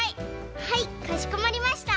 はいかしこまりました。